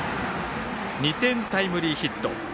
２点タイムリーヒット。